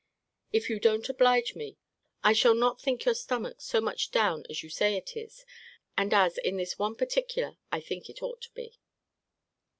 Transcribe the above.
If you don't oblige me, I shall not think your stomach so much down as you say it is, and as, in this one particular, I think it ought to be.